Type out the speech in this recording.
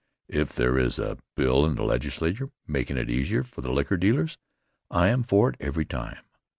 If there is a bill in the Legislature makin' it easier for the liquor dealers, I am for it every time.